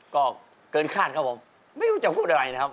ก็เกินคาดครับผมไม่รู้จะพูดอะไรนะครับ